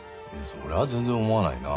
それは全然思わないな。